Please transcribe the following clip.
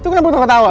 itu kenapa ketawa